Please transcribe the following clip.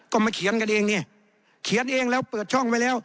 ก็มาเขียนกันเองเนี่ยเขียนเองแล้วเปิดช่องไว้แล้ว